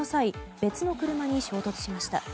別の車に衝突しました。